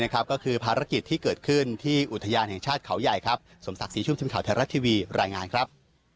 ขอบคุณครับ